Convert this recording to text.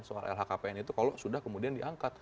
soal lhkpn itu kalau sudah kemudian diangkat